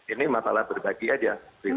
ini masalah berbagi saja